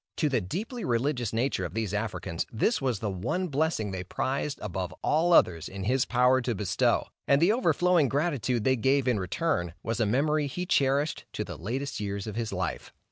To the deeply religious nature of these Africans, this was the one blessing they prized above all others in his power to bestow, and the overflowing gratitude they gave in return, was a memory he cherished to the latest years of his life.